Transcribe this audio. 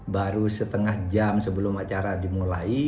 baru setengah jam sebelum acara dimulai